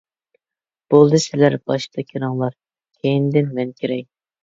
-بولدى سىلەر باشتا كىرىڭلار، كەينىدىن مەن كىرەي.